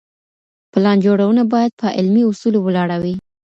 پلان جوړونه بايد په علمي اصولو ولاړه وي.